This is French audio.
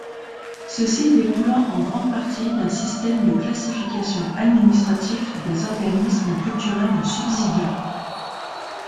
Ceci découlant en grande partie d'un système de classification administratif des organismes culturels subsidiant.